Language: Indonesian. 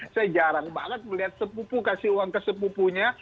saya jarang banget melihat sepupu kasih uang ke sepupunya